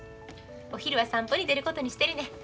お昼は散歩に出ることにしてるねん。